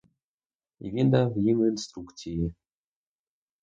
І він дав їм інструкції.